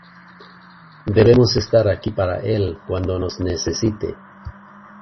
Debemos estar aquí para él cuando nos necesite.